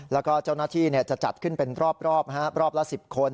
แล้วก็เจ้าหน้าที่จะจัดขึ้นเป็นรอบรอบละ๑๐คน